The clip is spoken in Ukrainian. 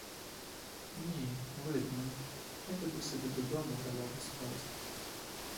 Ні, видно, я піду собі додому та ляжу спать.